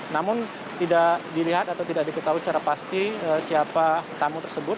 namun tidak dilihat atau tidak diketahui secara pasti siapa tamu tersebut